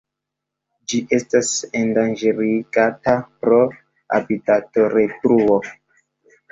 Ĝi estas endanĝerigata pro habitatodetruo.